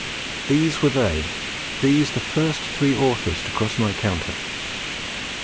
These were they, these the first three authors to cross my counter: 1.